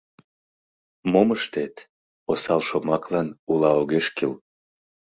Мом ыштет, осал шомаклан ула огеш кӱл.